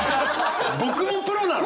僕もプロなの！？